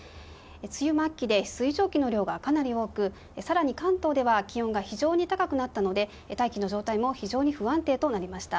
梅雨末期で水蒸気の量がかなり多く更に関東では気温が非常に高くなったので大気の状態も非常に不安定となりました。